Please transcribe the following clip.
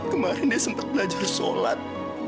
kemarin dia sempat belajar sholat